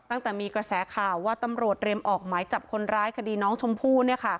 ตั้งแต่มีกระแสข่าวว่าตำรวจเรียมออกหมายจับคนร้ายคดีน้องชมพู่